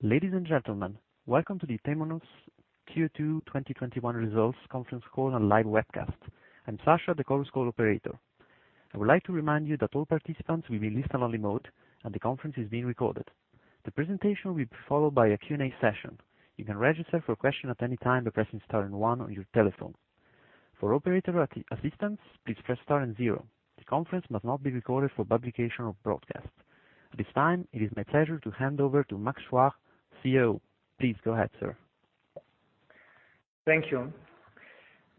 Ladies and gentlemen, welcome to the Temenos Q2 2021 Results Conference Call and live webcast. I'm Sasha, the conference call operator. I would like to remind you that all participants will be in listen-only mode, and the conference is being recorded. The presentation will be followed by a Q&A session. You can register for a question at any time by pressing star and one on your telephone. For operator assistance, please press star and zero. The conference must not be recorded for publication or broadcast. At this time, it is my pleasure to hand over to Max Chuard, CEO. Please go ahead, sir. Thank you.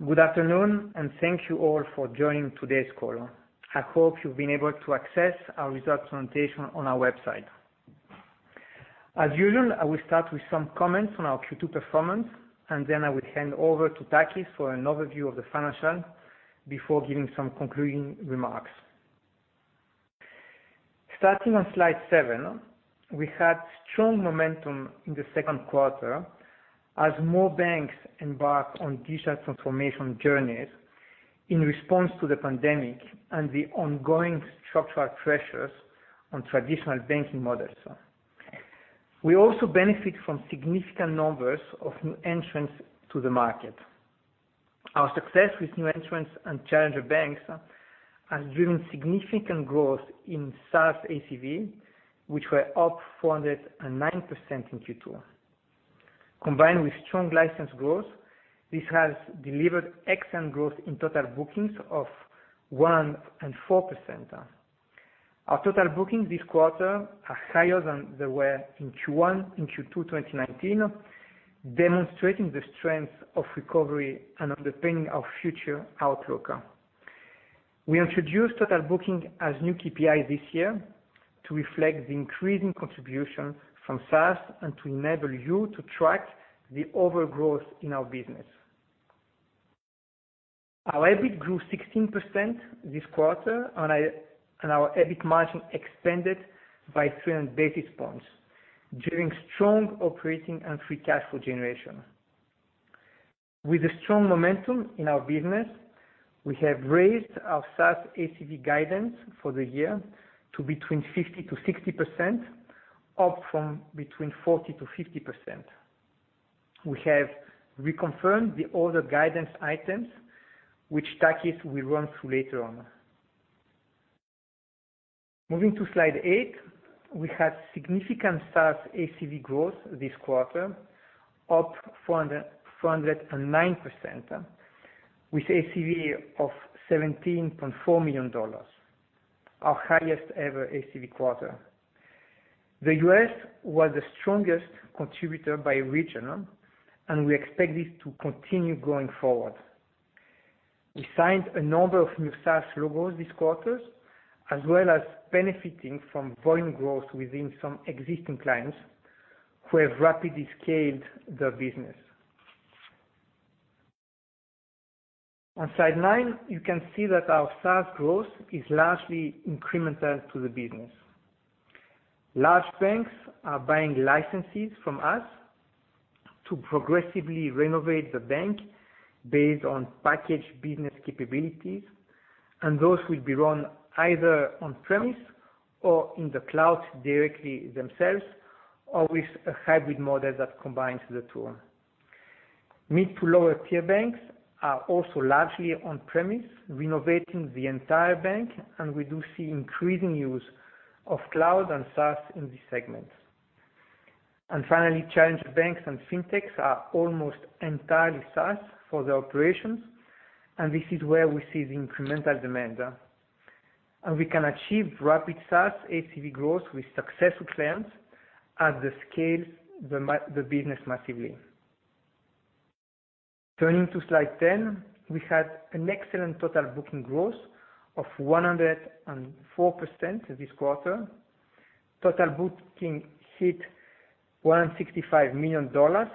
Good afternoon, and thank you all for joining today's call. I hope you've been able to access our results presentation on our website. As usual, I will start with some comments on our Q2 performance, and then I will hand over to Takis for an overview of the financials before giving some concluding remarks. Starting on slide seven, we had strong momentum in the second quarter as more banks embark on digital transformation journeys in response to the pandemic and the ongoing structural pressures on traditional banking models. We also benefit from significant numbers of new entrants to the market. Our success with new entrants and challenger banks has driven significant growth in SaaS ACV, which were up 409% in Q2. Combined with strong license growth, this has delivered excellent growth in total bookings of 1% and 4%. Our total bookings this quarter are higher than they were, in Q1, in Q2 2019, demonstrating the strength of recovery and underpinning our future outlook. We introduced total booking as a new KPI this year to reflect the increasing contribution from SaaS and to enable you to track the overall growth in our business. Our EBIT grew 16% this quarter, and our EBIT margin expanded by 300 basis points, driving strong operating and free cash flow generation. With the strong momentum in our business, we have raised our SaaS ACV guidance for the year to between 50%-60%, up from between 40%-50%. We have reconfirmed the other guidance items, which Takis will run through later on. Moving to slide 8. We had significant SaaS ACV growth this quarter, up 409%, with ACV of $17.4 million, our highest-ever ACV quarter. The U.S. was the strongest contributor by region, and we expect this to continue going forward. We signed a number of new SaaS logos this quarter, as well as benefiting from volume growth within some existing clients who have rapidly scaled their business. On slide nine, you can see that our SaaS growth is largely incremental to the business. Large banks are buying licenses from us to progressively renovate the bank based on packaged business capabilities, and those will be run either on-premise or in the cloud directly themselves, or with a hybrid model that combines the two. Mid to lower-tier banks are also largely on-premise, renovating the entire bank, and we do see increasing use of cloud and SaaS in this segment. Finally, challenger banks and fintechs are almost entirely SaaS for their operations, and this is where we see the incremental demand. We can achieve rapid SaaS ACV growth with successful clients as they scale the business massively. Turning to slide 10, we had an excellent total booking growth of 104% this quarter. Total bookings hit $165 million,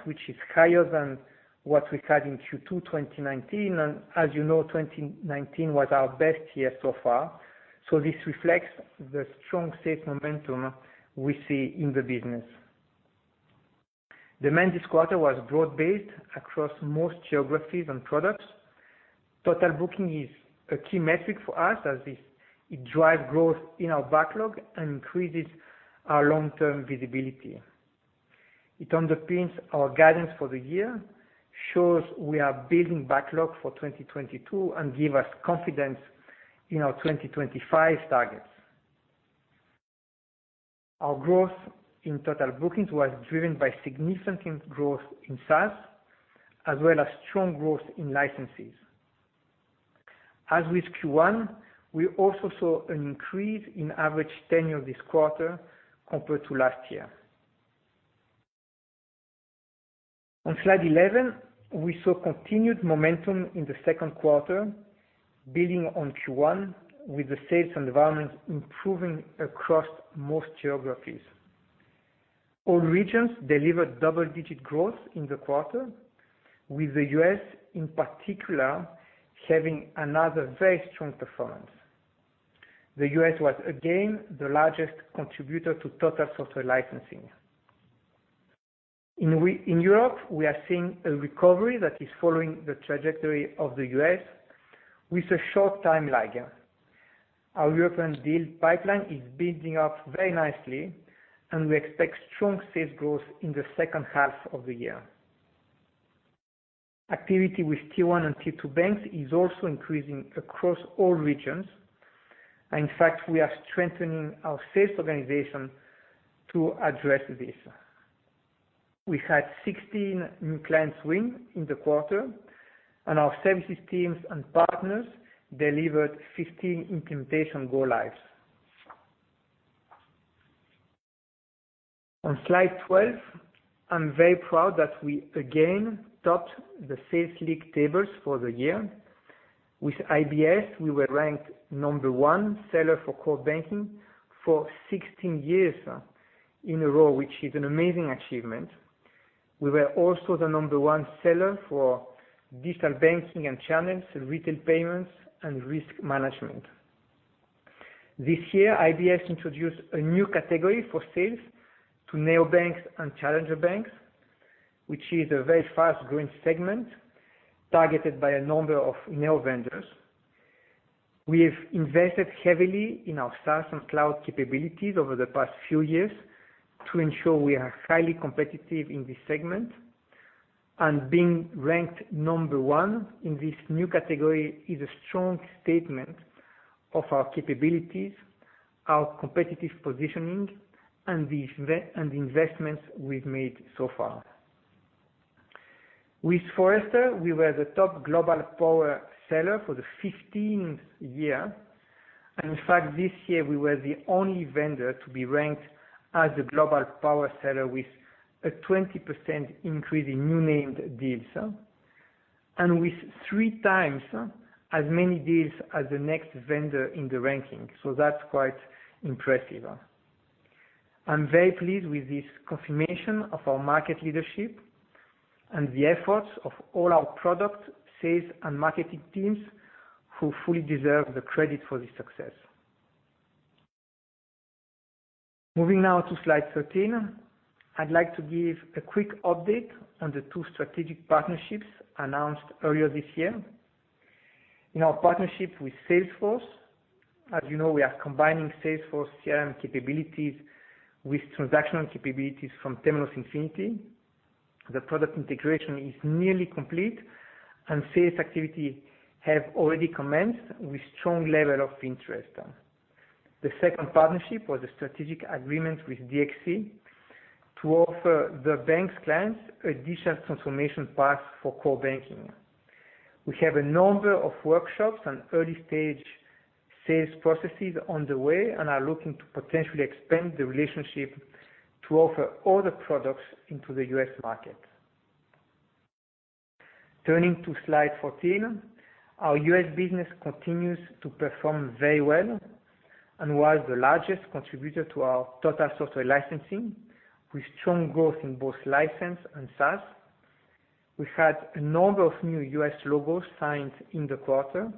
which is higher than what we had in Q2 2019. As you know, 2019 was our best year so far. This reflects the strong sales momentum we see in the business. Demand this quarter was broad-based across most geographies and products. Total booking is a key metric for us as it drives growth in our backlog and increases our long-term visibility. It underpins our guidance for the year, shows we are building backlog for 2022, and gives us confidence in our 2025 targets. Our growth in total bookings was driven by significant growth in SaaS as well as strong growth in licenses. As with Q1, we also saw an increase in average tenure this quarter compared to last year. On slide 11, we saw continued momentum in the second quarter, building on Q1 with the sales environment improving across most geographies. All regions delivered double-digit growth in the quarter, with the U.S. in particular having another very strong performance. The U.S. was again the largest contributor to total software licensing. In Europe, we are seeing a recovery that is following the trajectory of the U.S. with a short time lag. Our European deal pipeline is building up very nicely, and we expect strong sales growth in the second half of the year. Activity with Tier 1 and Tier 2 banks is also increasing across all regions. In fact, we are strengthening our sales organization to address this. We had 16 new clients win in the quarter, and our services teams and partners delivered 15 implementation go lives. On slide 12, I'm very proud that we again topped the sales league tables for the year. With IBS, we were ranked number one seller for core banking for 16 years in a row, which is an amazing achievement. We were also the number one seller for digital banking and channels, retail payments, and risk management. This year, IBS introduced a new category for sales to neo-banks and challenger banks, which is a very fast-growing segment targeted by a number of neo-vendors. We have invested heavily in our SaaS and cloud capabilities over the past few years to ensure we are highly competitive in this segment. Being ranked number one in this new category is a strong statement of our capabilities, our competitive positioning, and the investments we've made so far. With Forrester, we were the top global power seller for the 15th year. In fact, this year we were the only vendor to be ranked as a global power seller with a 20% increase in new named deals, and with three times as many deals as the next vendor in the ranking. That's quite impressive. I'm very pleased with this confirmation of our market leadership and the efforts of all our product, sales, and marketing teams who fully deserve the credit for this success. Moving now to slide 13. I'd like to give a quick update on the two strategic partnerships announced earlier this year. In our partnership with Salesforce, as you know, we are combining Salesforce CRM capabilities with transactional capabilities from Temenos Infinity. The product integration is nearly complete, and sales activity have already commenced with strong level of interest. The second partnership was a strategic agreement with DXC to offer the bank's clients a digital transformation path for core banking. We have a number of workshops and early-stage sales processes underway and are looking to potentially expand the relationship to offer other products into the U.S. market. Turning to slide 14. Our U.S. business continues to perform very well and was the largest contributor to our total software licensing, with strong growth in both license and SaaS. We've had a number of new U.S. logos signed in the quarter,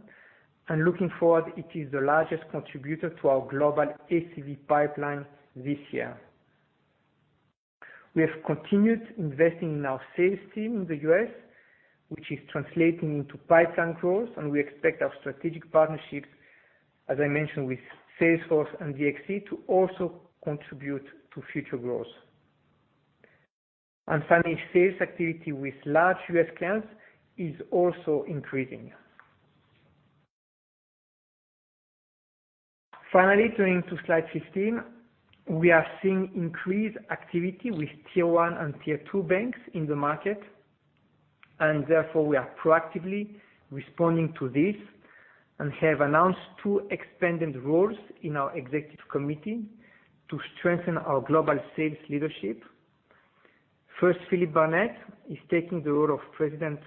and looking forward, it is the largest contributor to our global ACV pipeline this year. We have continued investing in our sales team in the U.S., which is translating into pipeline growth, and we expect our strategic partnerships, as I mentioned with Salesforce and DXC, to also contribute to future growth. Finally, sales activity with large U.S. clients is also increasing. Finally, turning to slide 15. We are seeing increased activity with Tier 1 and Tier 2 banks in the market, and therefore we are proactively responding to this and have announced two expanded roles in our Executive Committee to strengthen our global sales leadership. First, Philip Barnett is taking the role of President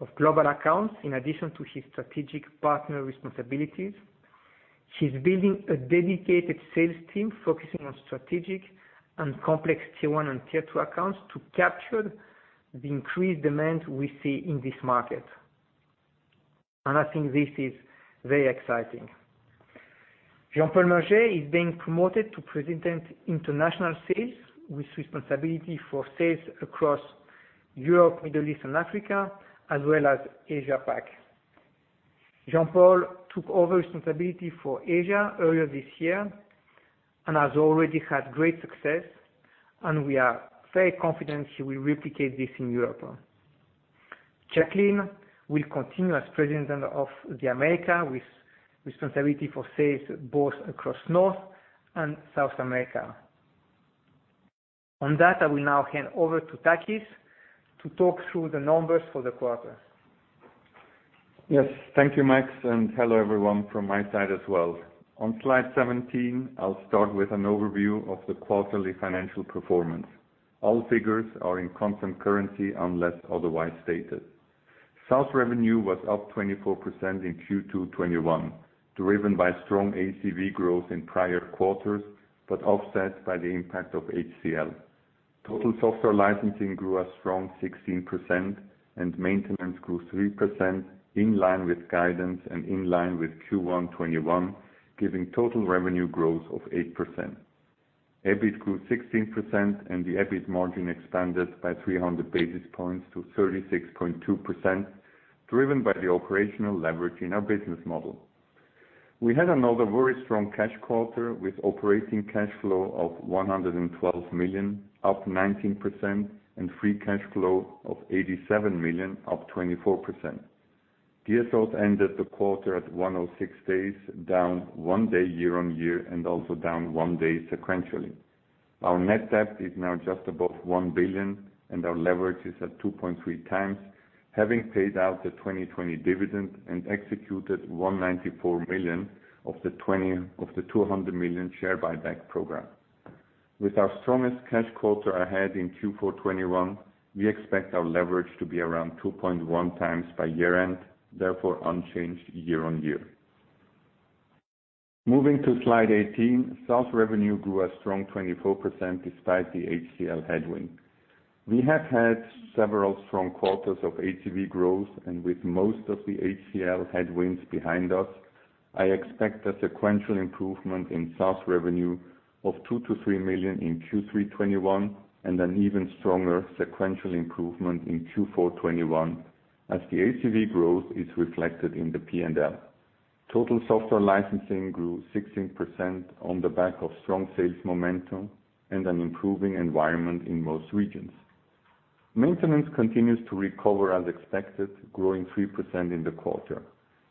of Global Accounts in addition to his strategic partner responsibilities. He's building a dedicated sales team focusing on strategic and complex Tier 1 and Tier 2 accounts to capture the increased demand we see in this market. I think this is very exciting. Jean-Paul Mergeai is being promoted to President International Sales with responsibility for sales across Europe, Middle East, and Africa, as well as Asia Pac. Jean-Paul took over responsibility for Asia earlier this year and has already had great success, and we are very confident he will replicate this in Europe. Jacqueline will continue as President of the America, with responsibility for sales both across North and South America. On that, I will now hand over to Takis to talk through the numbers for the quarter. Yes. Thank you, Max Chuard, and hello, everyone from my side as well. On slide 17, I'll start with an overview of the quarterly financial performance. All figures are in constant currency unless otherwise stated. SaaS revenue was up 24% in Q2 2021, driven by strong ACV growth in prior quarters, but offset by the impact of HCL. Total software licensing grew a strong 16% and maintenance grew 3%, in line with guidance and in line with Q1 2021, giving total revenue growth of 8%. EBIT grew 16%, and the EBIT margin expanded by 300 basis points to 36.2%, driven by the operational leverage in our business model. We had another very strong cash quarter with operating cash flow of $112 million, up 19%, and free cash flow of $87 million, up 24%. DSO ended the quarter at 106 days, down one day year-on-year, and also down one day sequentially. Our net debt is now just above $1 billion, and our leverage is at 2.3 times, having paid out the 2020 dividend and executed $194 million of the $200 million share buyback program. With our strongest cash quarter ahead in Q4 2021, we expect our leverage to be around 2.1 times by year-end, therefore unchanged year-on-year. Moving to slide 18, SaaS revenue grew a strong 24% despite the HCL headwind. We have had several strong quarters of ACV growth, and with most of the HCL headwinds behind us, I expect a sequential improvement in SaaS revenue of $2 million-$3 million in Q3 2021, and an even stronger sequential improvement in Q4 2021, as the ACV growth is reflected in the P&L. Total software licensing grew 16% on the back of strong sales momentum and an improving environment in most regions. Maintenance continues to recover as expected, growing 3% in the quarter.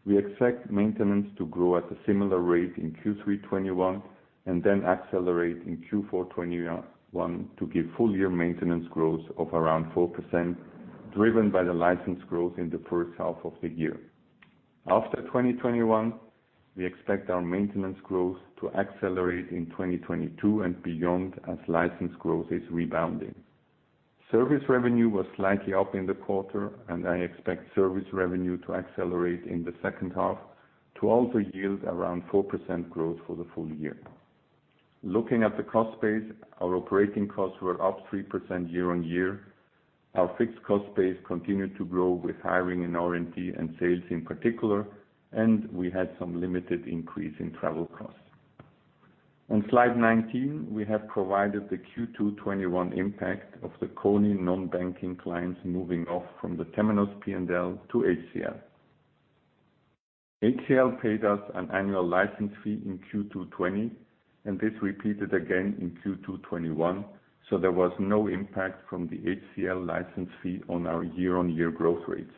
We expect maintenance to grow at a similar rate in Q3 2021 and then accelerate in Q4 2021 to give full year maintenance growth of around 4%, driven by the license growth in the first half of the year. After 2021, we expect our maintenance growth to accelerate in 2022 and beyond as license growth is rebounding. Service revenue was slightly up in the quarter, and I expect service revenue to accelerate in the second half to also yield around 4% growth for the full year. Looking at the cost base, our operating costs were up 3% year-on-year. Our fixed cost base continued to grow with hiring in R&D and sales in particular, and we had some limited increase in travel costs. On slide 19, we have provided the Q2 2021 impact of the Kony non-banking clients moving off from the Temenos P&L to HCL. HCL paid us an annual license fee in Q2 2020, and this repeated again in Q2 2021, so there was no impact from the HCL license fee on our year-on-year growth rates.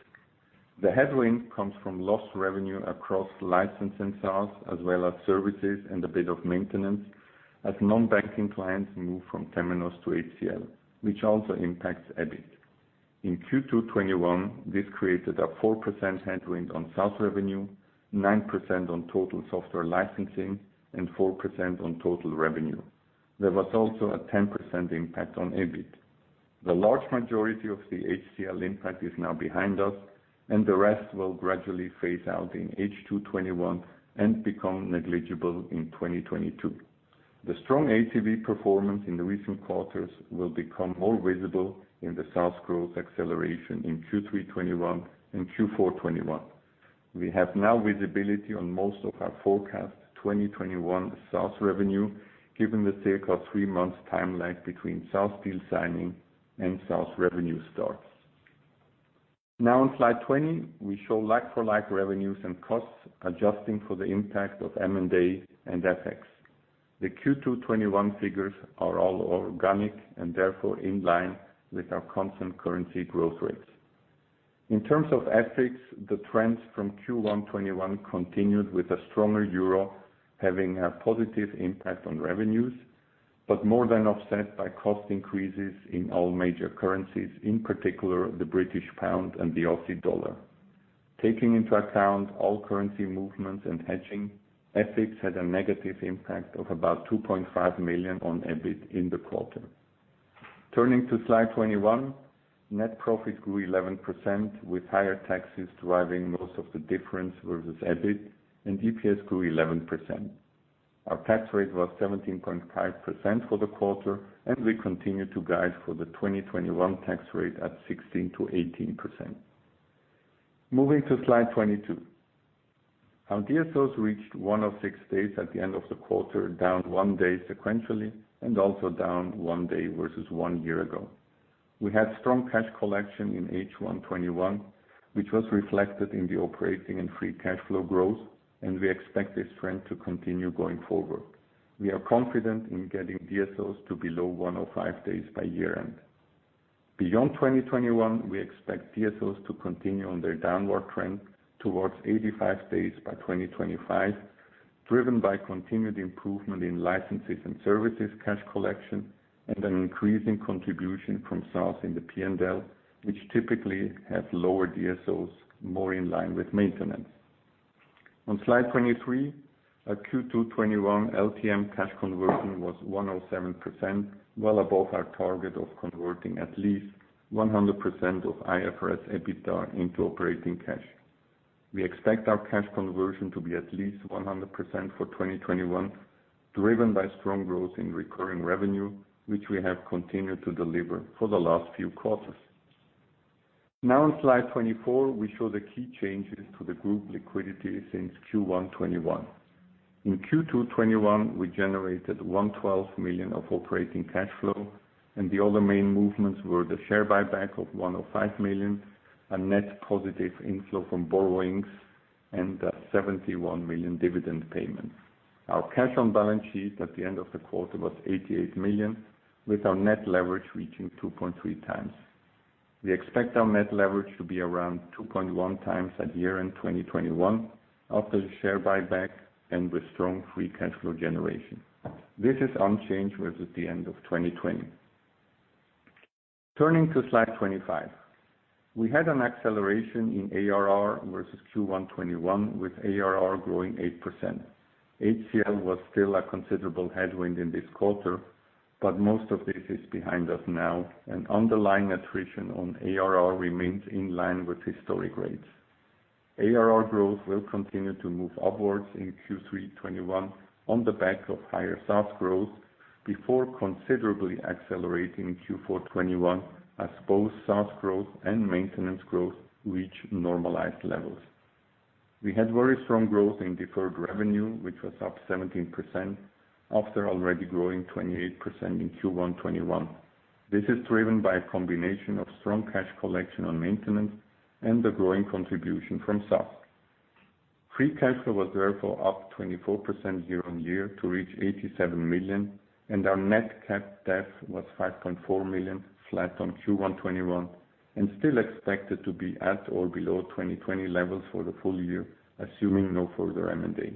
The headwind comes from lost revenue across license and SaaS as well as services and a bit of maintenance as non-banking clients move from Temenos to HCL, which also impacts EBIT. In Q2 2021, this created a 4% headwind on SaaS revenue, 9% on total software licensing, and 4% on total revenue. There was also a 10% impact on EBIT. The large majority of the HCL impact is now behind us, and the rest will gradually phase out in H2 2021 and become negligible in 2022. The strong ACV performance in the recent quarters will become more visible in the SaaS growth acceleration in Q3 2021 and Q4 2021. We have now visibility on most of our forecast 2021 SaaS revenue, given the sake of three months time lag between SaaS deal signing and SaaS revenue starts. Now in slide 20, we show like for like revenues and costs, adjusting for the impact of M&A and FX. The Q2 2021 figures are all organic and therefore in line with our constant currency growth rates. In terms of FX, the trends from Q1 2021 continued with a stronger EUR having a positive impact on revenues, but more than offset by cost increases in all major currencies, in particular, the GBP and the AUD. Taking into account all currency movements and hedging, FX had a negative impact of about 2.5 million on EBIT in the quarter. Turning to slide 21, net profit grew 11%, with higher taxes driving most of the difference versus EBIT and EPS grew 11%. Our tax rate was 17.5% for the quarter, and we continue to guide for the 2021 tax rate at 16%-18%. Moving to slide 22. Our DSOs reached 106 days at the end of the quarter, down one day sequentially, and also down one day versus one year ago. We had strong cash collection in H1 2021, which was reflected in the operating and free cash flow growth, and we expect this trend to continue going forward. We are confident in getting DSOs to below 105 days by year-end. Beyond 2021, we expect DSOs to continue on their downward trend towards 85 days by 2025, driven by continued improvement in licenses and services cash collection, and an increasing contribution from SaaS in the P&L, which typically has lower DSOs more in line with maintenance. On slide 23, our Q2 2021 LTM cash conversion was 107%, well above our target of converting at least 100% of IFRS EBITDA into operating cash. We expect our cash conversion to be at least 100% for 2021, driven by strong growth in recurring revenue, which we have continued to deliver for the last few quarters. Now in slide 24, we show the key changes to the group liquidity since Q1 2021. In Q2 2021, we generated $112 million of operating cash flow, and the other main movements were the share buyback of $105 million, a net positive inflow from borrowings, and $71 million dividend payment. Our cash on balance sheet at the end of the quarter was $88 million, with our net leverage reaching 2.3 times. We expect our net leverage to be around 2.1 times at year-end 2021 after the share buyback and with strong free cash flow generation. This is unchanged with the end of 2020. Turning to slide 25. We had an acceleration in ARR versus Q1 2021, with ARR growing 8%. HCL was still a considerable headwind in this quarter, but most of this is behind us now, and underlying attrition on ARR remains in line with historic rates. ARR growth will continue to move upwards in Q3 2021 on the back of higher SaaS growth before considerably accelerating in Q4 2021 as both SaaS growth and maintenance growth reach normalized levels. We had very strong growth in deferred revenue, which was up 17% after already growing 28% in Q1 2021. This is driven by a combination of strong cash collection on maintenance and the growing contribution from SaaS. Free cash flow was therefore up 24% year-on-year to reach $87 million, and our net cash debt was $5.4 million, flat on Q1 2021, and still expected to be at or below 2020 levels for the full year, assuming no further M&A.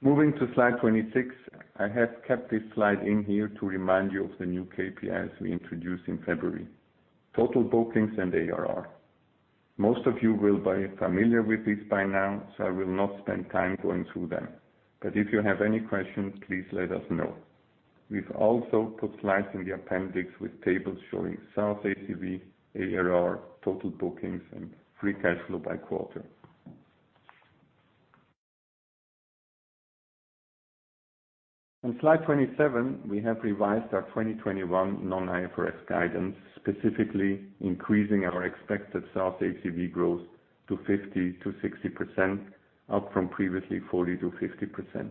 Moving to slide 26. I have kept this slide in here to remind you of the new KPIs we introduced in February: total bookings and ARR. Most of you will be familiar with this by now, so I will not spend time going through them. If you have any questions, please let us know. We've also put slides in the appendix with tables showing SaaS ACV, ARR, total bookings, and free cash flow by quarter. On slide 27, we have revised our 2021 non-IFRS guidance, specifically increasing our expected SaaS ACV growth to 50%-60%, up from previously 40%-50%.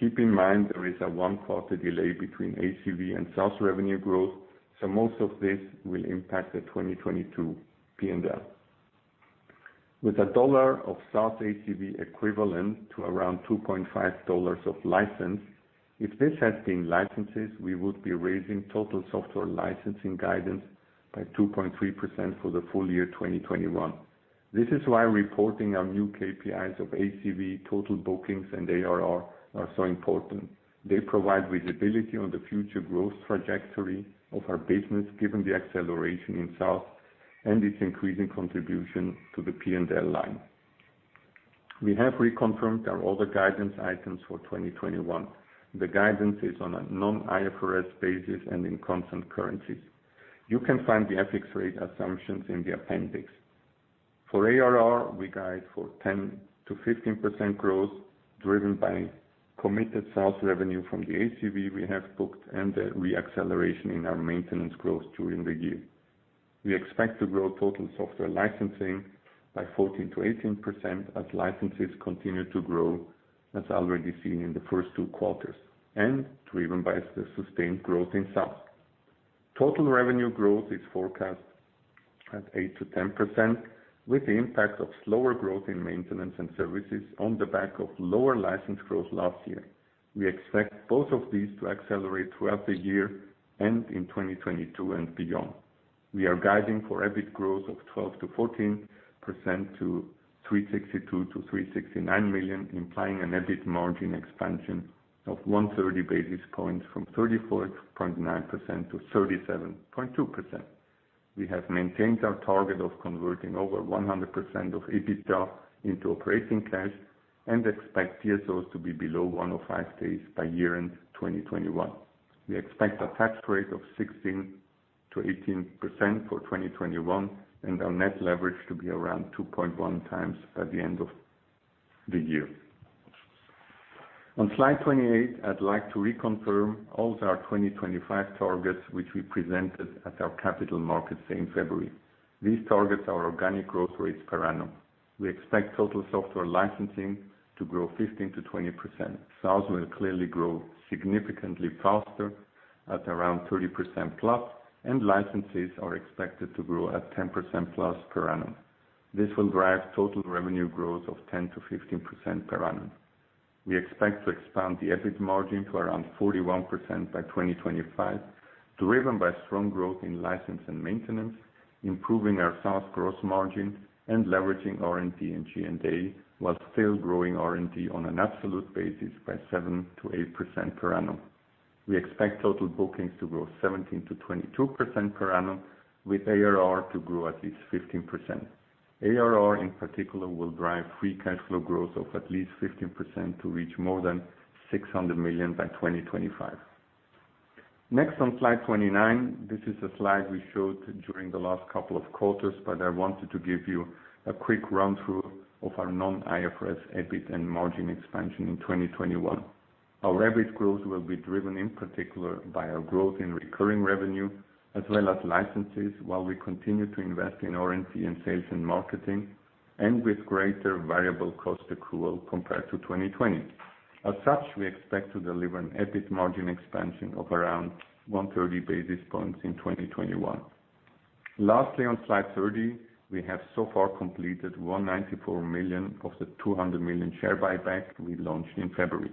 Keep in mind there is a one-quarter delay between ACV and SaaS revenue growth, so most of this will impact the 2022 P&L. With a dollar of SaaS ACV equivalent to around $2.5 of license, if this had been licenses, we would be raising total software licensing guidance by 2.3% for the full year 2021. This is why reporting our new KPIs of ACV, total bookings, and ARR are so important. They provide visibility on the future growth trajectory of our business given the acceleration in SaaS and its increasing contribution to the P&L line. We have reconfirmed all the guidance items for 2021. The guidance is on a non-IFRS basis and in constant currencies. You can find the FX rate assumptions in the appendix. For ARR, we guide for 10%-15% growth driven by committed SaaS revenue from the ACV we have booked and a re-acceleration in our maintenance growth during the year. We expect to grow total software licensing by 14%-18% as licenses continue to grow, as already seen in the first two quarters, and driven by the sustained growth in SaaS. Total revenue growth is forecast at 8%-10%, with the impact of slower growth in maintenance and services on the back of lower license growth last year. We expect both of these to accelerate throughout the year and in 2022 and beyond. We are guiding for EBIT growth of 12%-14% to 362 million-369 million, implying an EBIT margin expansion of 130 basis points from 34.9%-37.2%. We have maintained our target of converting over 100% of EBITDA into operating cash and expect DSOs to be below 105 days by year-end 2021. We expect a tax rate of 16%-18% for 2021 and our net leverage to be around 2.1 times by the end of the year. On slide 28, I'd like to reconfirm all of our 2025 targets, which we presented at our capital markets day in February. These targets are organic growth rates per annum. We expect total software licensing to grow 15%-20%. SaaS will clearly grow significantly faster at around 30%+, and licenses are expected to grow at 10%+ per annum. This will drive total revenue growth of 10%-15% per annum. We expect to expand the EBIT margin to around 41% by 2025, driven by strong growth in license and maintenance, improving our SaaS gross margin and leveraging R&D and G&A while still growing R&D on an absolute basis by 7%-8% per annum. We expect total bookings to grow 17%-22% per annum with ARR to grow at least 15%. ARR, in particular, will drive free cash flow growth of at least 15% to reach more than $600 million by 2025. Next, on slide 29, this is a slide we showed during the last couple of quarters, but I wanted to give you a quick run-through of our non-IFRS EBIT and margin expansion in 2021. Our average growth will be driven in particular by our growth in recurring revenue as well as licenses, while we continue to invest in R&D and sales and marketing, and with greater variable cost accrual compared to 2020. As such, we expect to deliver an EBIT margin expansion of around 130 basis points in 2021. Lastly, on slide 30, we have so far completed $194 million of the $200 million share buyback we launched in February.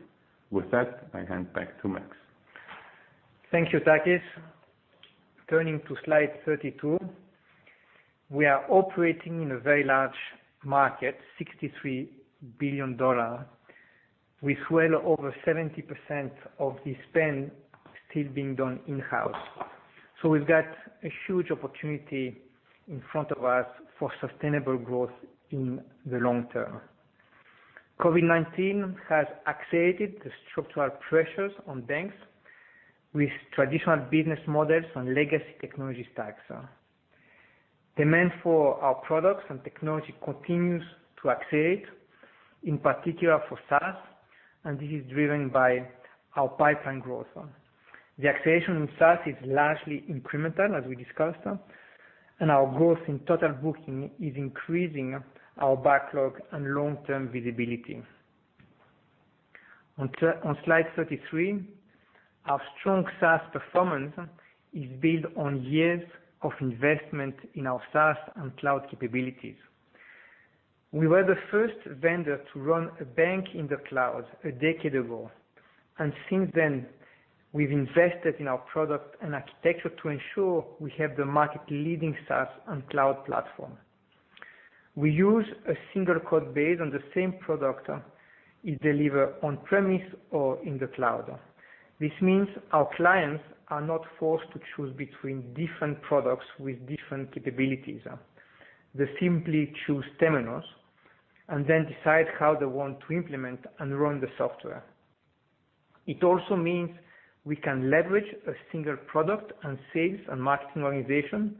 With that, I hand back to Max. Thank you, Takis. Turning to Slide 32. We are operating in a very large market, EUR 63 billion, with well over 70% of the spend still being done in-house. We've got a huge opportunity in front of us for sustainable growth in the long term. COVID-19 has accelerated the structural pressures on banks with traditional business models and legacy technology stacks. Demand for our products and technology continues to accelerate, in particular for SaaS, and this is driven by our pipeline growth. The acceleration in SaaS is largely incremental, as we discussed, and our growth in total booking is increasing our backlog and long-term visibility. On Slide 33, our strong SaaS performance is built on years of investment in our SaaS and cloud capabilities. We were the first vendor to run a bank in the cloud a decade ago, and since then, we've invested in our product and architecture to ensure we have the market leading SaaS and cloud platform. We use a single code base, and the same product is delivered on-premise or in the cloud. This means our clients are not forced to choose between different products with different capabilities. They simply choose Temenos and then decide how they want to implement and run the software. It also means we can leverage a single product and sales and marketing organization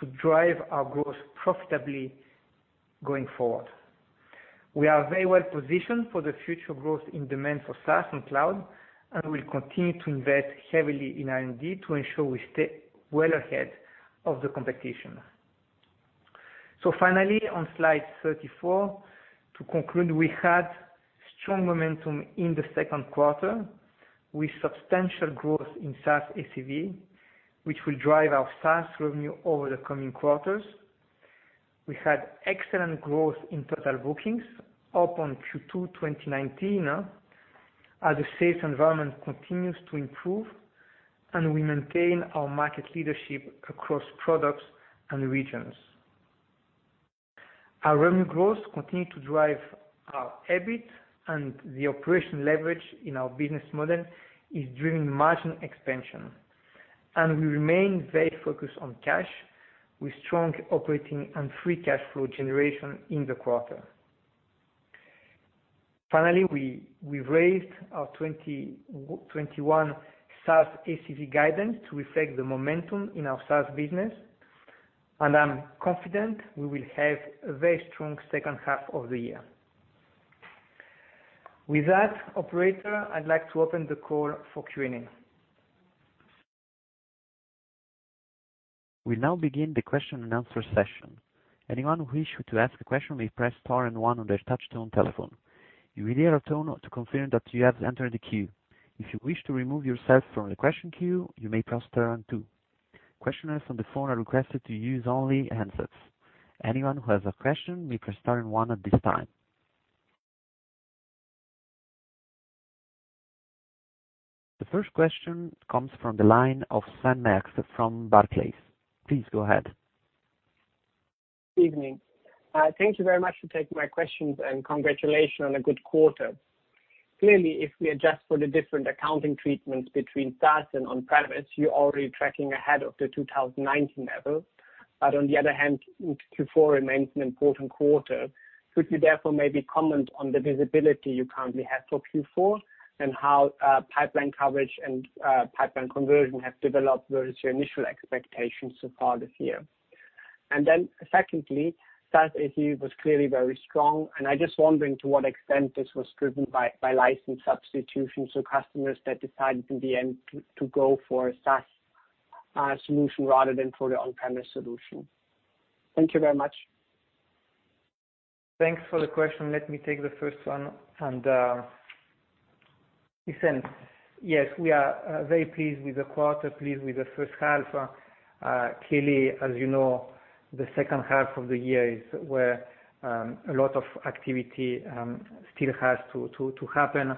to drive our growth profitably going forward. We are very well positioned for the future growth in demand for SaaS and cloud, and we'll continue to invest heavily in R&D to ensure we stay well ahead of the competition. Finally, on Slide 34, to conclude, we had strong momentum in the second quarter with substantial growth in SaaS ACV, which will drive our SaaS revenue over the coming quarters. We had excellent growth in total bookings up on Q2 2019 as the sales environment continues to improve. We maintain our market leadership across products and regions. Our revenue growth continued to drive our EBIT. The operational leverage in our business model is driving margin expansion. We remain very focused on cash with strong operating and free cash flow generation in the quarter. Finally, we raised our 2021 SaaS ACV guidance to reflect the momentum in our SaaS business. I'm confident we will have a very strong second half of the year. With that, operator, I'd like to open the call for Q&A. We now begin the question and answer session. Anyone who wish to ask a question may press star and one on their touchtone telephone. You'll hear a tone to confirm that you have entered the queue. If you wish to remove yourself from the question queue, you may press star and two. Questioners on the phone are requested to use only handsets. Anyone who has a question may press star and one at this time. The first question comes from the line of Sven Merkt from Barclays. Please go ahead. Evening. Thank you very much for taking my questions, and congratulations on a good quarter. Clearly, if we adjust for the different accounting treatments between SaaS and on-premise, you're already tracking ahead of the 2019 level. On the other hand, Q4 remains an important quarter. Could you therefore maybe comment on the visibility you currently have for Q4 and how pipeline coverage and pipeline conversion have developed versus your initial expectations so far this year? Secondly, SaaS ACV was clearly very strong, and I'm just wondering to what extent this was driven by license substitution, so customers that decided in the end to go for a SaaS solution rather than for the on-premise solution. Thank you very much. Thanks for the question. Let me take the first one. Listen, yes, we are very pleased with the quarter, pleased with the first half. Clearly, as you know, the second half of the year is where a lot of activity still has to happen.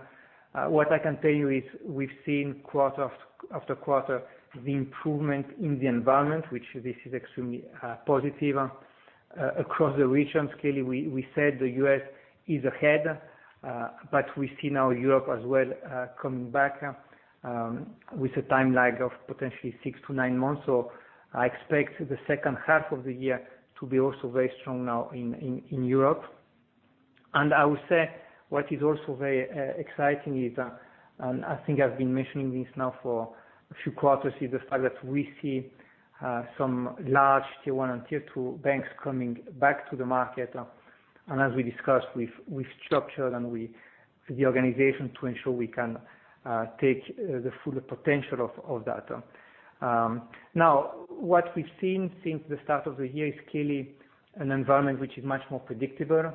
What I can tell you is we've seen quarter after quarter the improvement in the environment, which this is extremely positive across the region. Clearly, we said the U.S. is ahead, but we see now Europe as well coming back with a time lag of potentially six to nine months. I expect the second half of the year to be also very strong now in Europe. I would say what is also very exciting is, I think I've been mentioning this now for a few quarters, is the fact that we see some large Tier 1 and Tier 2 banks coming back to the market. As we discussed with structured and we... For the organization to ensure we can take the full potential of that. What we've seen since the start of the year is clearly an environment which is much more predictable.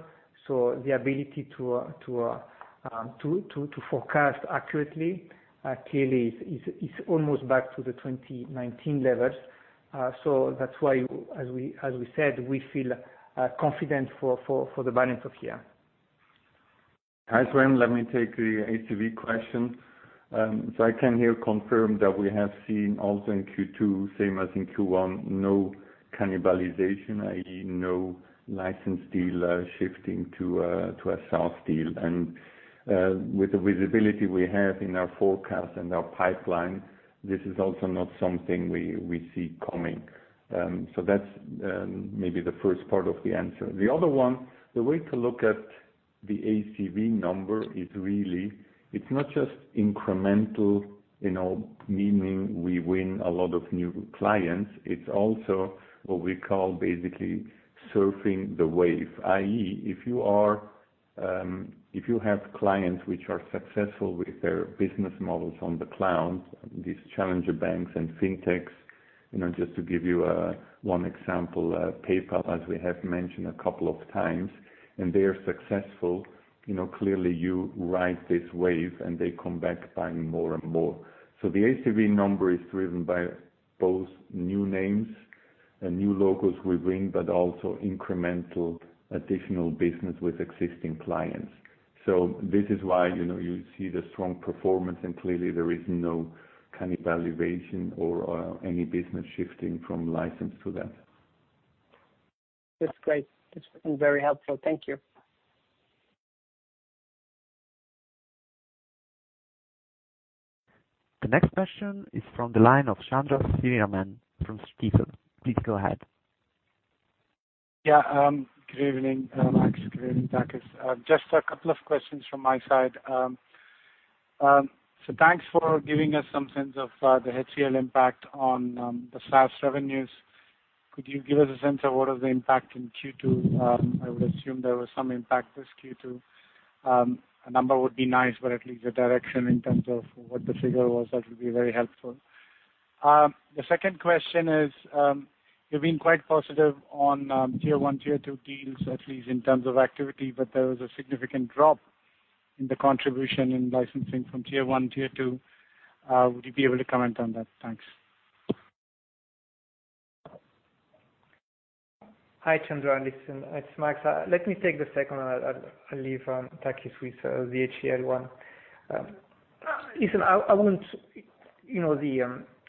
The ability to forecast accurately clearly is almost back to the 2019 levels. That's why, as we said, we feel confident for the balance of the year. Hi, Sven. Let me take the ACV question. I can here confirm that we have seen also in Q2, same as in Q1, no cannibalization, i.e., no license deal shifting to a SaaS deal. With the visibility we have in our forecast and our pipeline, this is also not something we see coming. That's maybe the first part of the answer. The other one, the way to look at the ACV number is really, it's not just incremental, meaning we win a lot of new clients, it's also what we call basically surfing the wave. i.e., if you have clients which are successful with their business models on the cloud, these challenger banks and fintechs. Just to give you one example, PayPal, as we have mentioned a couple of times. They are successful, clearly you ride this wave and they come back buying more and more. The ACV number is driven by both new names and new logos we bring, but also incremental additional business with existing clients. This is why you see the strong performance, and clearly there is no cannibalization or any business shifting from license to that. That's great. That's very helpful. Thank you. The next question is from the line of Chandra Sriraman from Stifel. Please go ahead. Yeah. Good evening, Max. Good evening, Takis. Just a couple of questions from my side. Thanks for giving us some sense of the HCL impact on the SaaS revenues. Could you give us a sense of what is the impact in Q2? I would assume there was some impact this Q2. A number would be nice, but at least a direction in terms of what the figure was, that would be very helpful. The second question is, you've been quite positive on Tier 1, Tier 2 deals, at least in terms of activity, but there was a significant drop in the contribution in licensing from Tier 1, Tier 2. Would you be able to comment on that? Thanks. Hi, Chandra. Listen, it's Max. Let me take the second one. I'll leave Takis with the HCL one.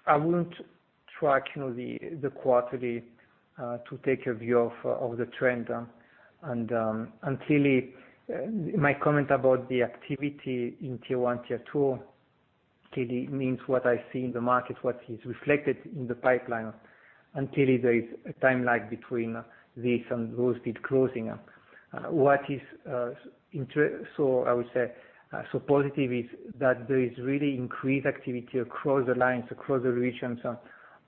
I wouldn't track the quarterly to take a view of the trend. Clearly my comment about the activity in Tier 1, Tier 2 clearly means what I see in the market, what is reflected in the pipeline. Clearly there is a time lag between this and those deals closing. What is so positive is that there is really increased activity across the lines, across the regions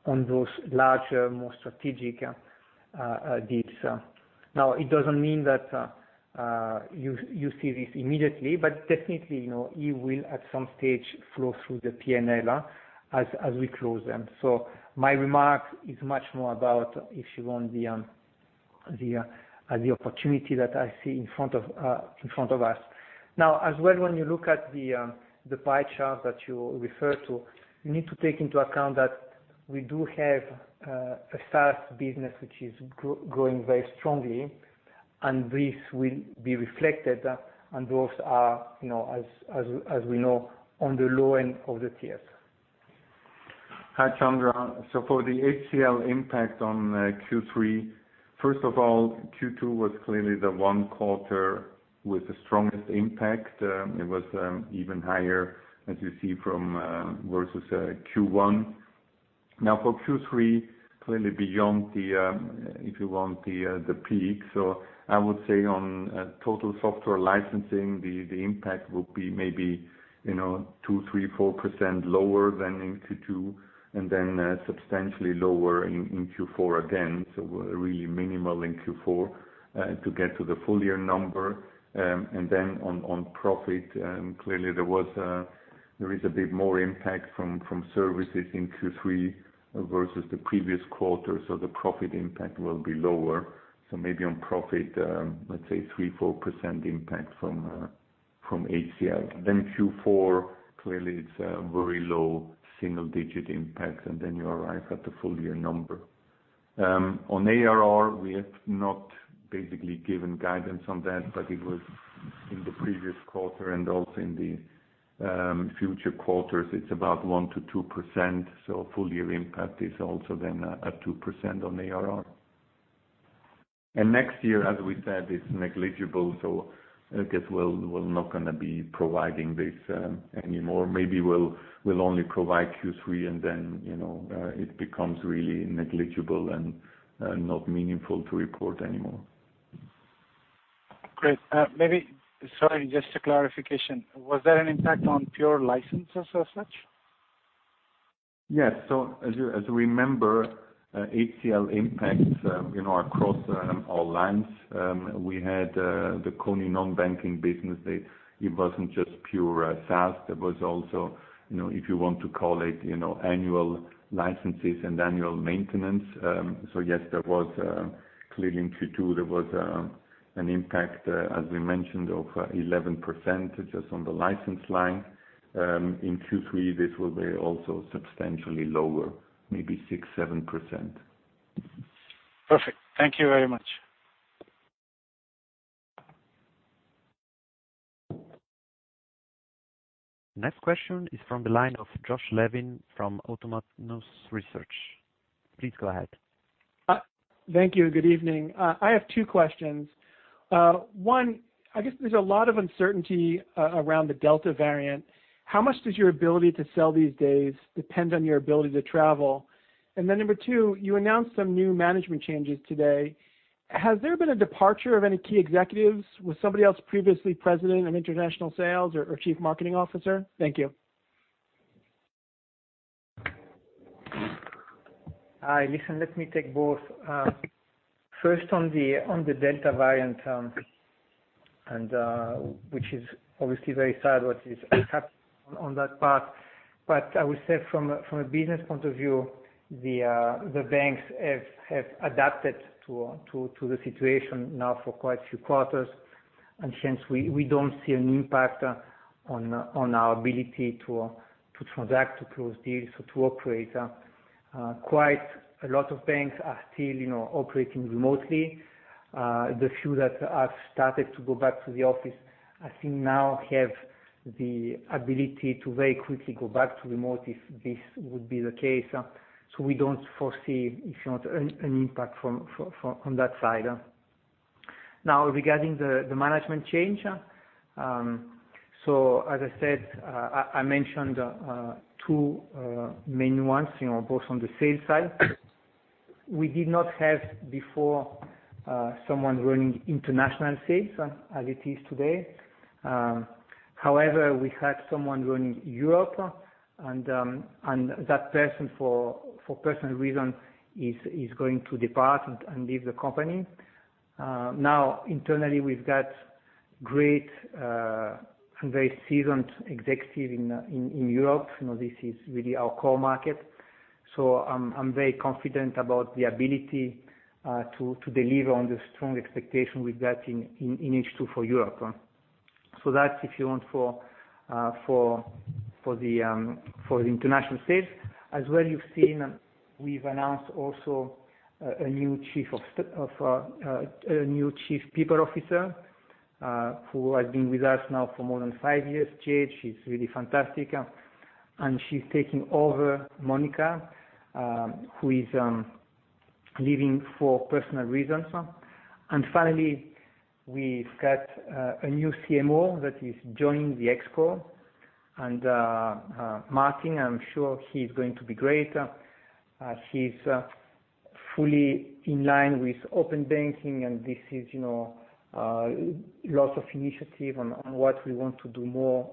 on those larger, more strategic deals. Now, it doesn't mean that you see this immediately, but definitely, it will, at some stage, flow through the P&L as we close them. My remark is much more about, if you want, the opportunity that I see in front of us. As well, when you look at the pie chart that you refer to, you need to take into account that we do have a SaaS business, which is growing very strongly, and this will be reflected. Those are, as we know, on the low end of the tiers. Hi, Chandra. For the HCL impact on Q3, first of all, Q2 was clearly the one quarter with the strongest impact. It was even higher, as you see, versus Q1. Now for Q3, clearly beyond the peak. I would say on total software licensing, the impact will be maybe 2%, 3%, 4% lower than in Q2, and then substantially lower in Q4 again, so really minimal in Q4 to get to the full-year number. On profit, clearly there is a bit more impact from services in Q3 versus the previous quarter, so the profit impact will be lower. Maybe on profit, let's say 3%, 4% impact from HCL. Q4, clearly it's a very low single-digit impact, and then you arrive at the full-year number. On ARR, we have not basically given guidance on that. It was in the previous quarter and also in the future quarters, it's about 1%-2%. Full-year impact is also then at 2% on ARR. Next year, as we said, it's negligible, so I guess we're not going to be providing this anymore. Maybe we'll only provide Q3 and then it becomes really negligible and not meaningful to report anymore. Great. Sorry, just a clarification. Was there an impact on pure licenses as such? As you remember, HCL impacts across all lines. We had the Kony non-banking business. It wasn't just pure SaaS, there was also, if you want to call it, annual licenses and annual maintenance. Yes, there was clearly in Q2, there was an impact as we mentioned of 11% just on the license line. In Q3, this will be also substantially lower, maybe 6%, 7%. Perfect. Thank you very much. Next question is from the line of Josh Levin from Autonomous Research. Please go ahead. Thank you. Good evening. I have two questions. One, I guess there's a lot of uncertainty around the Delta variant. How much does your ability to sell these days depend on your ability to travel? Then number two, you announced some new management changes today. Has there been a departure of any key executives? Was somebody else previously president of international sales or chief marketing officer? Thank you. Hi. Listen, let me take both. First on the Delta variant, which is obviously very sad what is happening on that part. I would say from a business point of view, the banks have adapted to the situation now for quite a few quarters, and hence we don't see an impact on our ability to transact, to close deals or to operate. Quite a lot of banks are still operating remotely. The few that have started to go back to the office, I think now have the ability to very quickly go back to remote if this would be the case. We don't foresee, if you want, an impact from that side. Regarding the management change. As I said, I mentioned two main ones, both on the sales side. We did not have before, someone running international sales as it is today. We had someone running Europe and that person for personal reasons, is going to depart and leave the company. Internally, we've got great and very seasoned executive in Europe. This is really our core market. I'm very confident about the ability to deliver on the strong expectation we've got in H2 for Europe. That's if you want for the international sales as well you've seen, we've announced also a new chief people officer, who has been with us now for more than five years. Jayde, she's really fantastic. She's taking over Monica, who is leaving for personal reasons. Finally, we've got a new CMO that is joining the ExCo. Martin, I'm sure he's going to be great. He's fully in line with open banking, and this is lots of initiative on what we want to do more